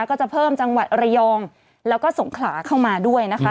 ก็จะเพิ่มจังหวัดระยองแล้วก็สงขลาเข้ามาด้วยนะคะ